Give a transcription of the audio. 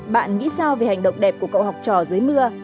bạn nghĩ sao về hành động đẹp của cậu học trò dưới mưa